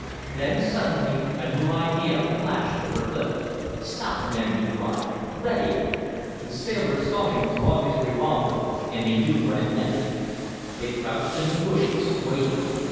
Then suddenly a new idea flashed over Clif. "Stop a minute!" he cried. "Ready!" The sailors saw him draw his revolver, and they knew what it meant. They crouched in the bushes, waiting.